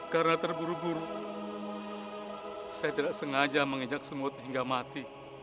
karena terburu buru saya tidak sengaja menginjak semut hingga mati